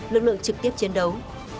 lực lượng trực tiếp chiến đấu